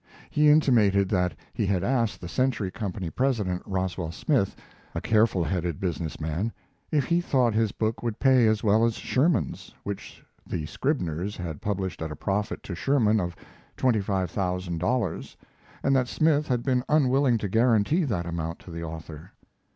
He intimated that he had asked the Century Company president, Roswell Smith, a careful headed business man, if he thought his book would pay as well as Sherman's, which the Scribners had published at a profit to Sherman of twenty five thousand dollars, and that Smith had been unwilling to guarantee that amount to the author.